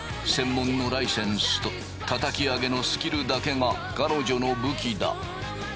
専門のライセンスとたたき上げのスキルだけが彼女の武器だ。